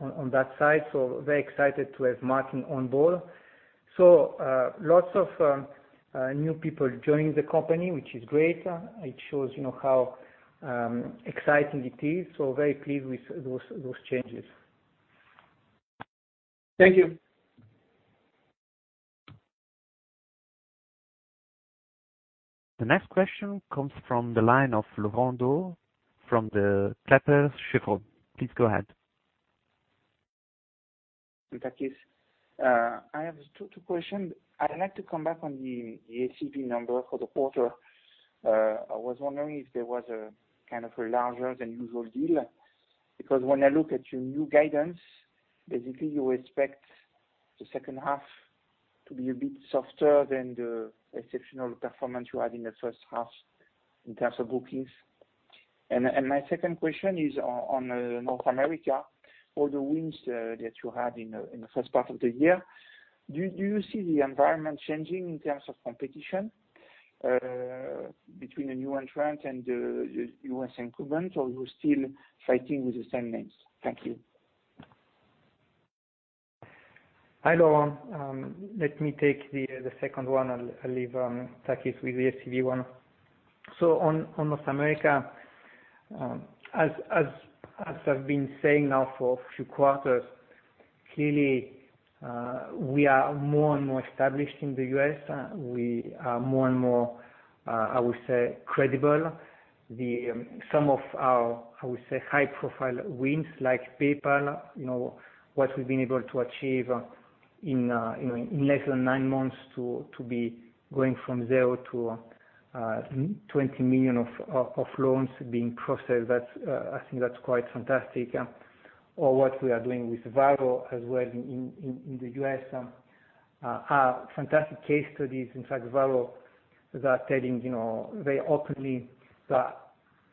on that side. Very excited to have Martin on board. Lots of new people joining the company, which is great. It shows how exciting it is. Very pleased with those changes. Thank you. The next question comes from the line of Laurent Daure from the Kepler Cheuvreux. Please go ahead. Takis. I have two questions. I'd like to come back on the ACV number for the quarter. I was wondering if there was a kind of a larger than usual deal. When I look at your new guidance, basically you expect the second half to be a bit softer than the exceptional performance you had in the first half in terms of bookings. My second question is on North America. All the wins that you had in the first part of the year, do you see the environment changing in terms of competition, between a new entrant and the U.S. incumbent, or you're still fighting with the same names? Thank you. Hi, Laurent. Let me take the second one. I'll leave Takis with the ACV one. On North America, as I've been saying now for a few quarters, clearly, we are more and more established in the U.S. We are more and more, I would say, credible. The sum of our, I would say, high-profile wins like PayPal, what we've been able to achieve in less than nine months to be going from zero to 20 million of loans being processed, I think that's quite fantastic. What we are doing with Varo as well in the U.S., are fantastic case studies. In fact, Varo, they're telling very openly that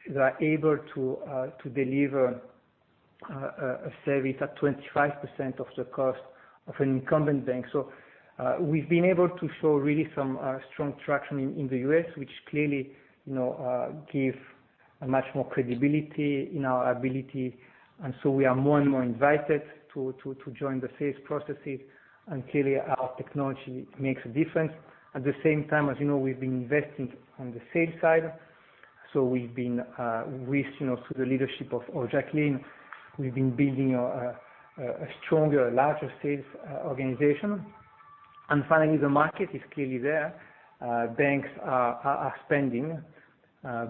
they are able to deliver a service at 25% of the cost of an incumbent bank. We've been able to show really some strong traction in the U.S., which clearly give much more credibility in our ability. We are more and more invited to join the sales processes, and clearly our technology makes a difference. At the same time, as you know, we've been investing on the sales side. We've been with the leadership of Jacqueline, we've been building a stronger, larger sales organization. Finally, the market is clearly there. Banks are spending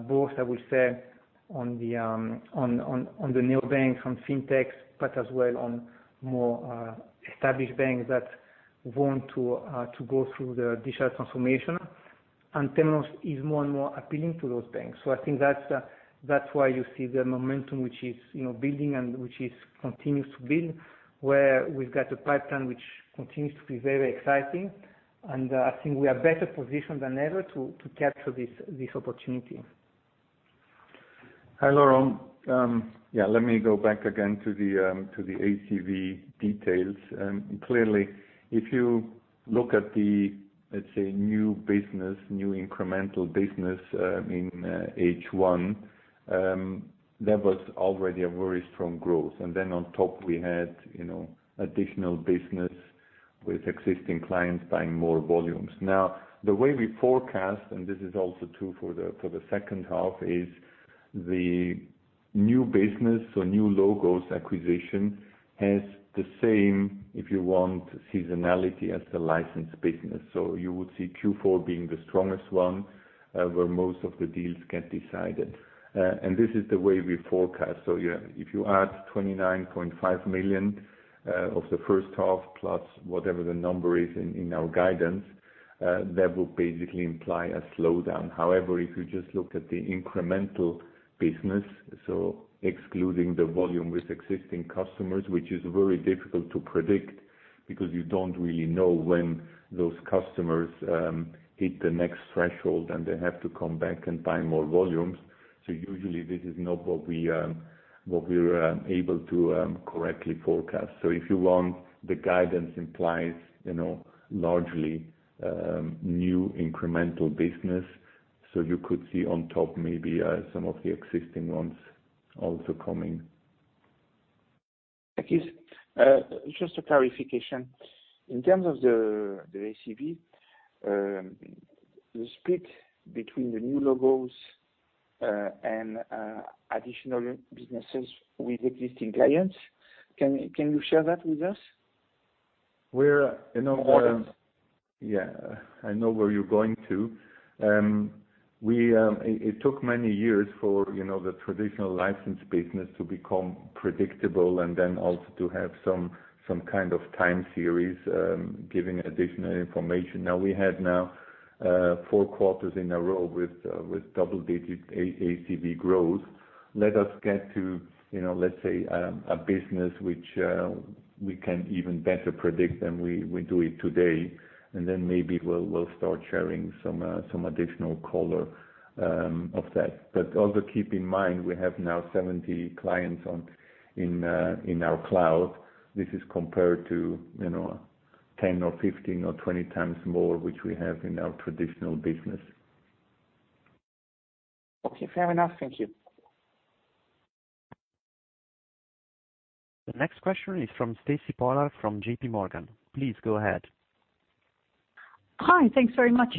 both, I would say, on the neo-banks, on fintech, but as well on more established banks that want to go through the digital transformation. Temenos is more and more appealing to those banks. I think that's why you see the momentum which is building and which continues to build, where we've got a pipeline which continues to be very exciting. I think we are better positioned than ever to capture this opportunity. Hi, Laurent. Let me go back again to the ACV details. Clearly, if you look at the, let's say, new business, new incremental business in H1, there was already a very strong growth. Then on top we had additional business with existing clients buying more volumes. Now, the way we forecast, and this is also true for the second half is the new business or new logos acquisition has the same, if you want, seasonality as the license business. You would see Q4 being the strongest one, where most of the deals get decided. This is the way we forecast. If you add $29.5 million of the first half, plus whatever the number is in our guidance, that will basically imply a slowdown. However, if you just look at the incremental business, excluding the volume with existing customers, which is very difficult to predict because you don't really know when those customers hit the next threshold, and they have to come back and buy more volumes. Usually this is not what we are able to correctly forecast. If you want, the guidance implies largely new incremental business. You could see on top maybe some of the existing ones also coming. Thank you. Just a clarification. In terms of the ACV, the split between the new logos and additional businesses with existing clients, can you share that with us? Yeah, I know where you're going to. It took many years for the traditional license business to become predictable and then also to have some kind of time series, giving additional information. Now we have now four quarters in a row with double-digit ACV growth. Let us get to, let's say, a business which we can even better predict than we do it today. Then maybe we'll start sharing some additional color of that. Also keep in mind, we have now 70 clients in our cloud. This is compared to 10 or 15 or 20 times more, which we have in our traditional business. Okay. Fair enough. Thank you. The next question is from Stacy Pollard from JPMorgan. Please go ahead. Hi. Thanks very much.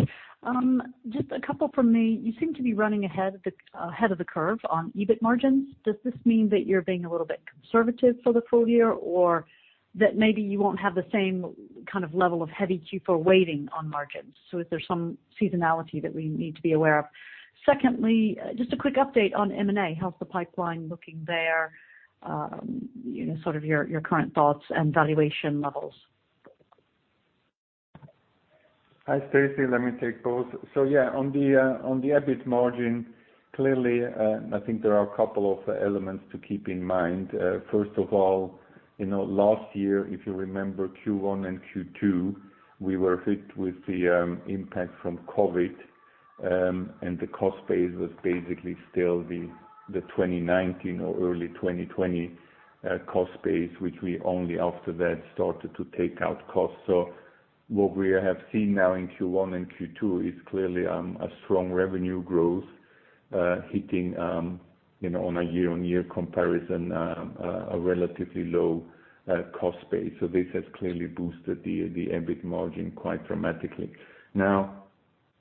Just a couple from me. You seem to be running ahead of the curve on EBIT margins. Does this mean that you're being a little bit conservative for the full year, or that maybe you won't have the same kind of level of heavy Q4 weighting on margins? Is there some seasonality that we need to be aware of? Secondly, just a quick update on M&A. How's the pipeline looking there, sort of your current thoughts and valuation levels? Hi, Stacy. Let me take both. Yeah, on the EBIT margin, clearly, I think there are a couple of elements to keep in mind. First of all, last year, if you remember Q1 and Q2, we were hit with the impact from COVID, and the cost base was basically still the 2019 or early 2020 cost base, which we only after that started to take out costs. What we have seen now in Q1 and Q2 is clearly a strong revenue growth, hitting on a year-on-year comparison, a relatively low cost base. This has clearly boosted the EBIT margin quite dramatically. Now,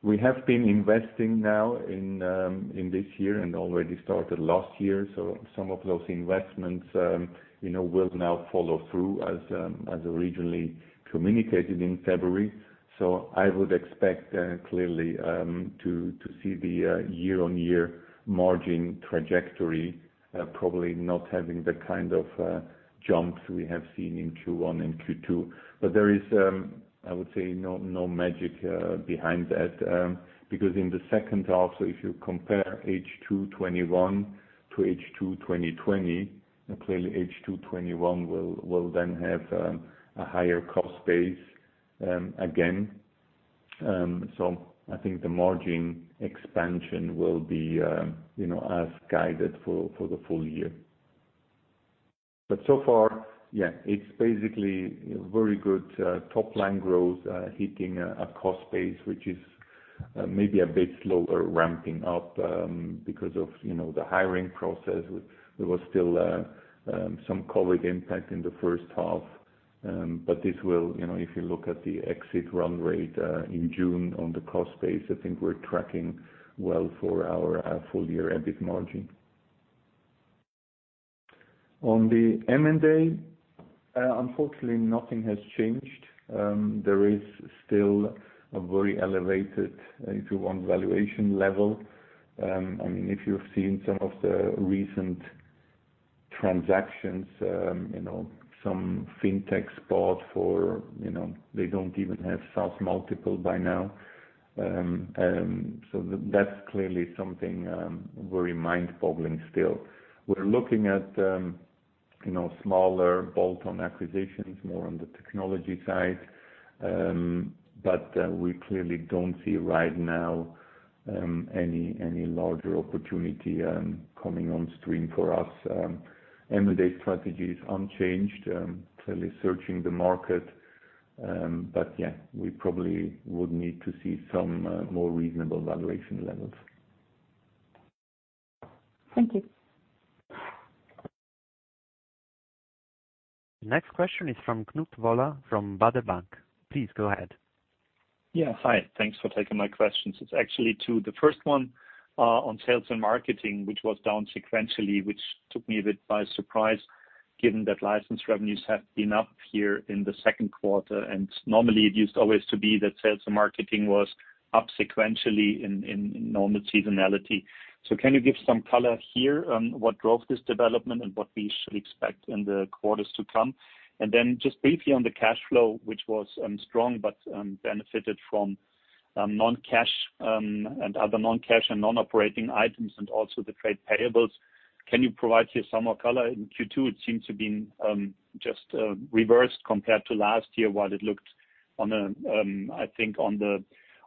we have been investing now in this year and already started last year. Some of those investments will now follow through as originally communicated in February. I would expect clearly to see the year-on-year margin trajectory probably not having the kind of jumps we have seen in Q1 and Q2. There is, I would say, no magic behind that. In the second half, if you compare H2 2021 to H2 2020, clearly H2 2021 will then have a higher cost base again. I think the margin expansion will be as guided for the full year. So far, yeah, it's basically very good top-line growth hitting a cost base, which is maybe a bit slower ramping up because of the hiring process. There was still some COVID impact in the first half. If you look at the exit run rate in June on the cost base, I think we're tracking well for our full-year EBIT margin. On the M&A, unfortunately, nothing has changed. There is still a very elevated, if you want, valuation level. If you've seen some of the recent transactions, some fintechs bought. They don't even have SaaS multiple by now. That's clearly something very mind-boggling still. We're looking at smaller bolt-on acquisitions, more on the technology side. We clearly don't see right now any larger opportunity coming on stream for us. M&A strategy is unchanged, clearly searching the market. Yeah, we probably would need to see some more reasonable valuation levels. Thank you. Next question is from Knut Woller from Baader Bank. Please go ahead. Yeah. Hi, thanks for taking my questions. It's actually two. The first one on sales and marketing, which was down sequentially, which took me a bit by surprise given that license revenues have been up here in the second quarter. Normally it used always to be that sales and marketing was up sequentially in normal seasonality. Can you give some color here on what drove this development and what we should expect in the quarters to come? Just briefly on the cash flow, which was strong but benefited from non-cash and non-operating items and also the trade payables. Can you provide here some more color? In Q2, it seems to have been just reversed compared to last year, while it looked, I think, on the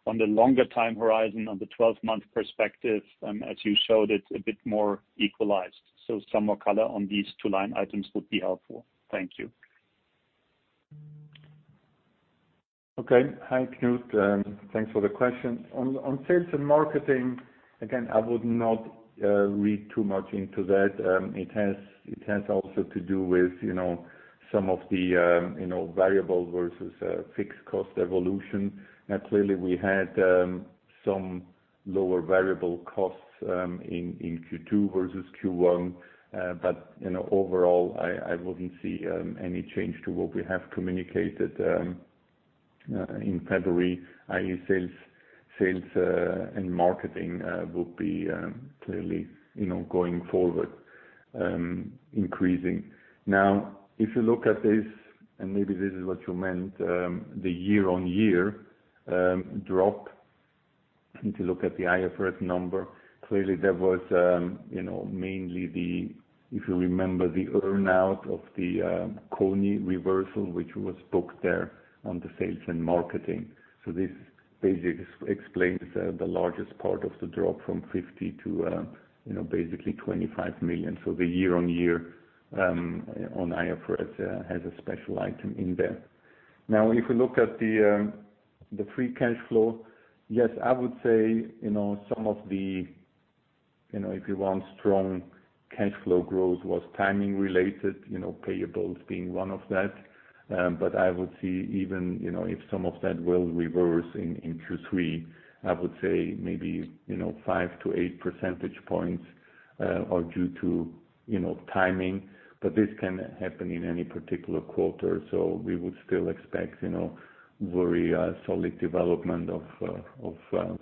longer time horizon, on the 12-month perspective, as you showed it, a bit more equalized. Some more color on these two line items would be helpful. Thank you. Okay. Hi, Knut. Thanks for the question. On sales and marketing, again, I would not read too much into that. It has also to do with some of the variable versus fixed cost evolution. Clearly, we had some lower variable costs in Q2 versus Q1. Overall, I wouldn't see any change to what we have communicated in February, i.e. sales and marketing will be clearly going forward, increasing. If you look at this, and maybe this is what you meant, the year-on-year drop. If you look at the IFRS number, clearly, that was mainly the, if you remember, the earn-out of the Kony reversal, which was booked there on the sales and marketing. This basically explains the largest part of the drop from 50 million to basically 25 million. The year-on-year on IFRS has a special item in there. If you look at the free cash flow, yes, I would say some of the, if you want, strong cash flow growth was timing related, payables being one of that. I would see even if some of that will reverse in Q3, I would say maybe 5-8 percentage points are due to timing. This can happen in any particular quarter. We would still expect very solid development of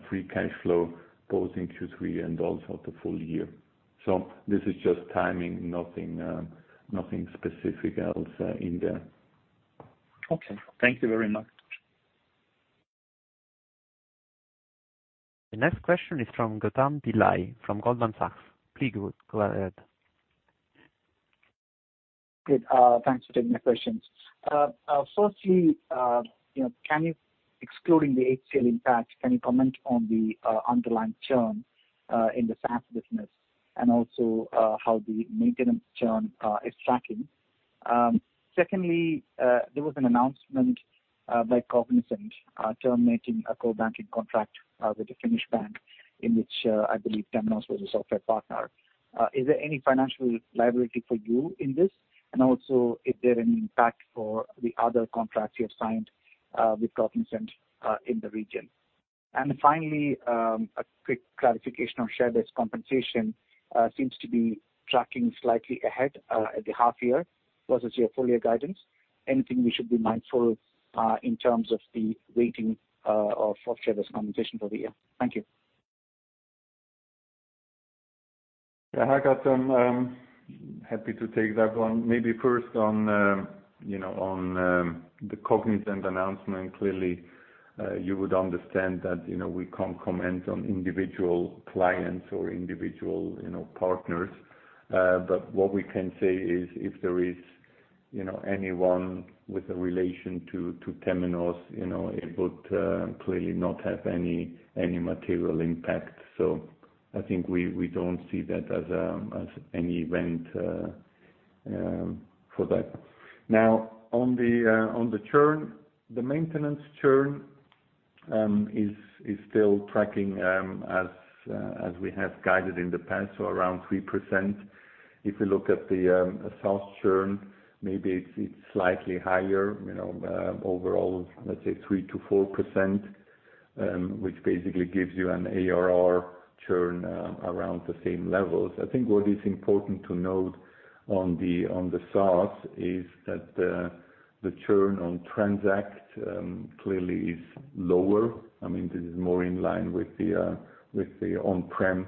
free cash flow both in Q3 and also the full year. This is just timing, nothing specific else in there. Okay. Thank you very much. The next question is from Gautam Pillai from Goldman Sachs. Please go ahead. Good. Thanks for taking my questions. Firstly, excluding the HCL impact, can you comment on the underlying churn in the SaaS business and also how the maintenance churn is tracking? Secondly, there was an announcement by Cognizant terminating a core banking contract with a Finnish bank, in which I believe Temenos was a software partner. Is there any financial liability for you in this? Also, is there any impact for the other contracts you have signed with Cognizant in the region? Finally, a quick clarification on share-based compensation seems to be tracking slightly ahead at the half year versus your full-year guidance. Anything we should be mindful in terms of the weighting of share-based compensation for the year? Thank you. Hi, Gautam. Happy to take that one. Maybe first on the Cognizant announcement. Clearly, you would understand that we can't comment on individual clients or individual partners. What we can say is if there is anyone with a relation to Temenos, it would clearly not have any material impact. I think we don't see that as any event for that. Now, on the churn, the maintenance churn is still tracking as we have guided in the past, so around 3%. If you look at the SaaS churn, maybe it's slightly higher, overall, let's say 3%-4%, which basically gives you an ARR churn around the same levels. I think what is important to note on the SaaS is that the churn on Transact clearly is lower. This is more in line with the on-prem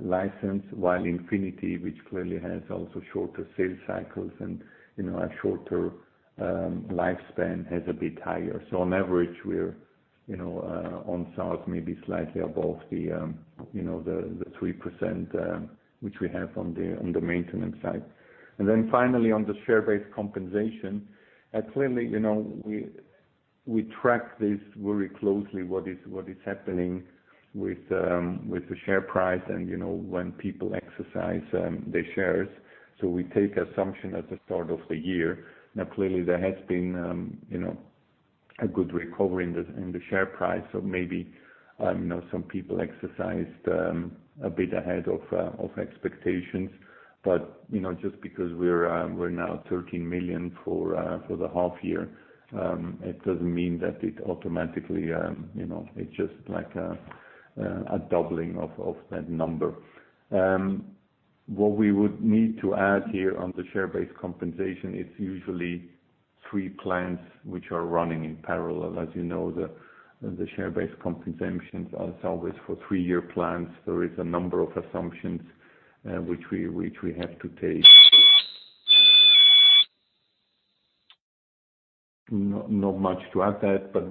license, while Infinity, which clearly has also shorter sales cycles and a shorter lifespan, is a bit higher. On average, we're on SaaS maybe slightly above the 3% which we have on the maintenance side. Finally, on the share-based compensation. Clearly, we track this very closely, what is happening with the share price and when people exercise their shares. We take assumption at the start of the year. Now, clearly there has been a good recovery in the share price. Maybe some people exercised a bit ahead of expectations. Just because we're now 13 million for the half year, it doesn't mean that it automatically, it's just like a doubling of that number. What we would need to add here on the share-based compensation, it's usually three plans which are running in parallel. As you know, the share-based compensations are always for three-year plans. There is a number of assumptions which we have to take. Not much to add that, but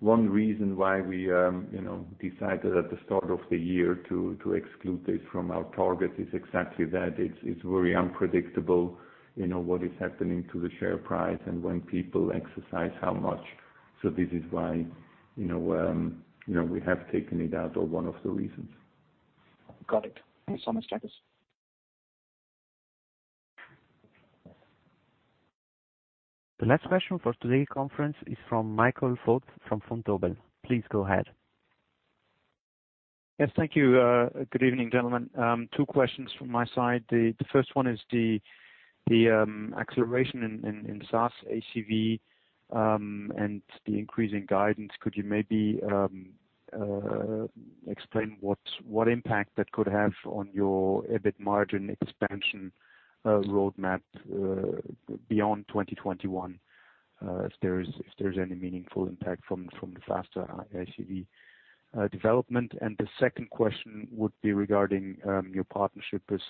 one reason why we decided at the start of the year to exclude this from our target is exactly that. It's very unpredictable, what is happening to the share price and when people exercise how much. This is why we have taken it out, or one of the reasons. Got it. Thanks so much, Takis. The last question for today conference is from Michael Foeth from Vontobel. Please go ahead. Yes, thank you. Good evening, gentlemen. Two questions from my side. The first one is the acceleration in SaaS ACV, and the increase in guidance. Could you maybe explain what impact that could have on your EBIT margin expansion roadmap beyond 2021, if there is any meaningful impact from the faster ACV development? The second question would be regarding your partnership with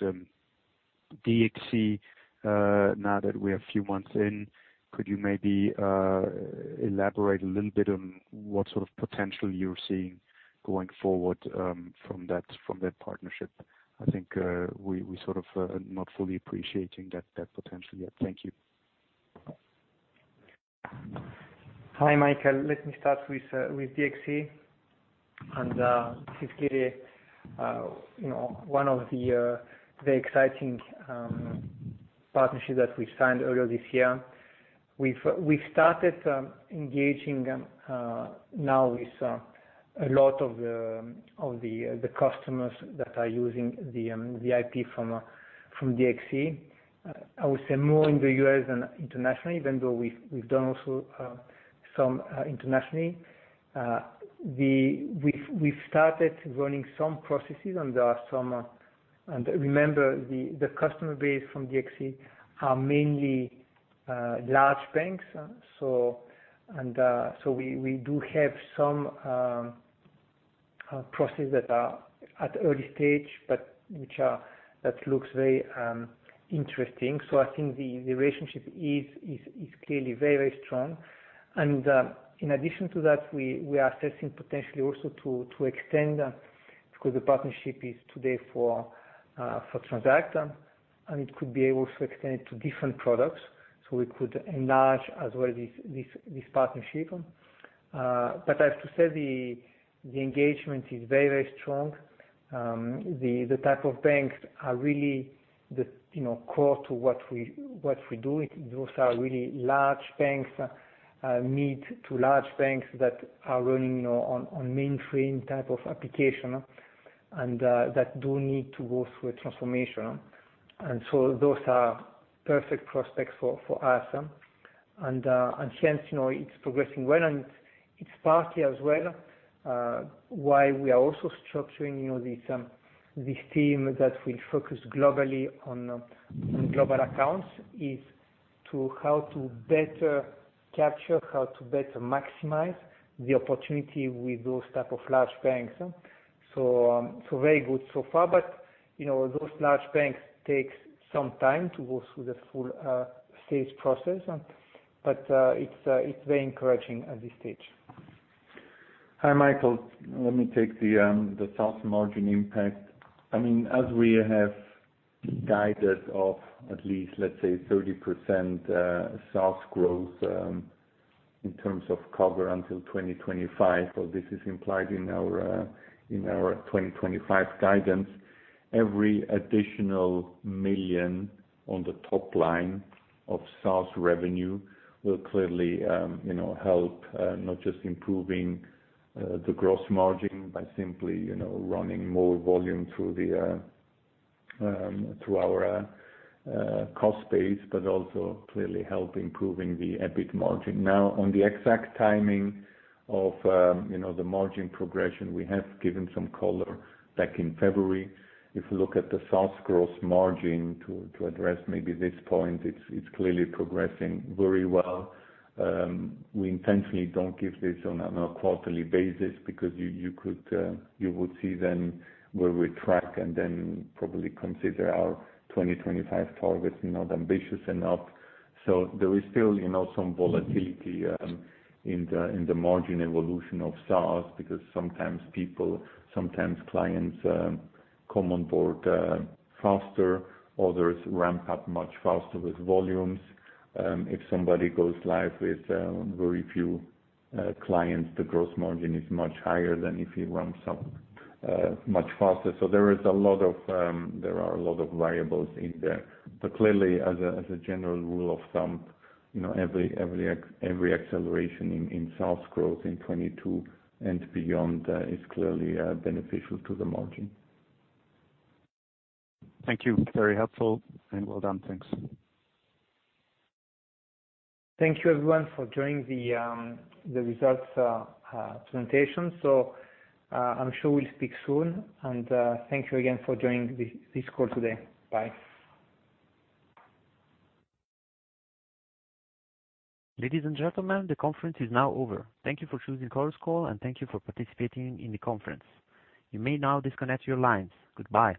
DXC. Now that we're a few months in, could you maybe elaborate a little bit on what sort of potential you're seeing going forward from that partnership? I think we're sort of not fully appreciating that potential yet. Thank you. Hi, Michael. Let me start with DXC, and this is clearly one of the very exciting partnerships that we signed earlier this year. We've started engaging now with a lot of the customers that are using VIP from DXC. I would say more in the U.S. than internationally, even though we've done also some internationally. We've started running some processes and remember, the customer base from DXC are mainly large banks. We do have some processes that are at early stage, but which looks very interesting. I think the relationship is clearly very strong. In addition to that, we are assessing potentially also to extend, because the partnership is today for Transact, and it could be able to extend it to different products. We could enlarge as well this partnership. As to say, the engagement is very strong. The type of banks are really the core to what we do. Those are really large banks, mid to large banks that are running on mainframe type of application, and that do need to go through a transformation. Those are perfect prospects for us. Hence, it's progressing well, and it's partly as well, why we are also structuring this team that will focus globally on global accounts is to how to better capture, how to better maximize the opportunity with those type of large banks. Very good so far. Those large banks take some time to go through the full sales process. It's very encouraging at this stage. Hi, Michael. Let me take the SaaS margin impact. As we have guided of at least, let's say, 30% SaaS growth in terms of cover until 2025. This is implied in our 2025 guidance. Every additional million on the top line of SaaS revenue will clearly help not just improving the gross margin by simply running more volume through our cost base, but also clearly help improving the EBIT margin. On the exact timing of the margin progression, we have given some color back in February. If you look at the SaaS gross margin to address maybe this point, it's clearly progressing very well. We intentionally don't give this on a quarterly basis because you would see then where we track and then probably consider our 2025 targets not ambitious enough. There is still some volatility in the margin evolution of SaaS because sometimes people, sometimes clients come on board faster, others ramp up much faster with volumes. If somebody goes live with very few clients, the gross margin is much higher than if he ramps up much faster. There are a lot of variables in there. Clearly, as a general rule of thumb, every acceleration in SaaS growth in 2022 and beyond is clearly beneficial to the margin. Thank you. Very helpful and well done. Thanks. Thank you everyone for joining the results presentation. I'm sure we'll speak soon and thank you again for joining this call today. Bye. Ladies and gentlemen, the conference is now over. Thank you for choosing Chorus Call, and thank you for participating in the conference. You may now disconnect your lines. Goodbye.